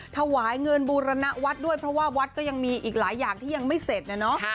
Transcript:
ถวายเงินบูรณวัดด้วยเพราะว่าวัดก็ยังมีอีกหลายอย่างที่ยังไม่เสร็จนะเนาะ